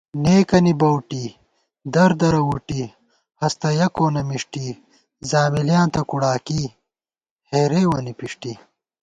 نېکَنی بؤٹی، دردرہ وُٹی ہستہ یہ کونہ مݭٹی حٔامِلیاں تہ کُوڑاکی، ہېرېوَنی پݭٹِی